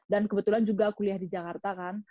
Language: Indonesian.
dan kebetulan juga kuliah di jakarta kan